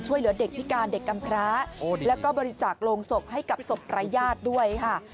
ช่วยเหลือเด็กพิการเด็กกำพระแล้วก็บริจาคโรงศพให้กับศพรายญาติด้วยค่ะ